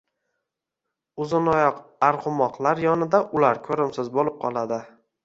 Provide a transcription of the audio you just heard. Uzunoyoq arg`umoqlar yonida ular ko`rimsiz bo`lib qoladi